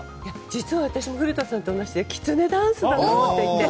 実は私も古田さんと同じできつねダンスだと思っていて。